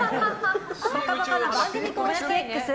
「ぽかぽか」の番組公式Ｘ